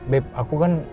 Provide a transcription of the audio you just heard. babe aku kan